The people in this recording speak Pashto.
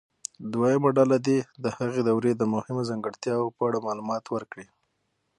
دویمه ډله دې د هغې دورې د مهمو ځانګړتیاوو په اړه معلومات ورکړي.